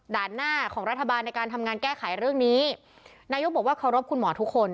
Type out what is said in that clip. หน้าของรัฐบาลในการทำงานแก้ไขเรื่องนี้นายกบอกว่าเคารพคุณหมอทุกคน